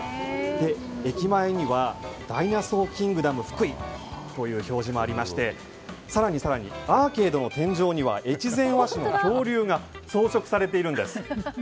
駅前には「ＤｉｎｏｓａｕｒＫｉｎｇｄｏｍＦＵＫＵＩ」という表示もありまして更に、アーケードの天井には越前和紙の恐竜が装飾されているんです。